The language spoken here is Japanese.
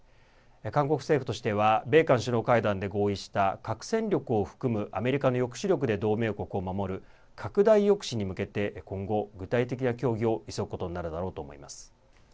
韓国政府としては米韓首脳会談で合意した核戦力を含むアメリカの抑止力で同盟国を守る拡大抑止に向けて、今後具体的な協議を急ぐことになるだろうと思います。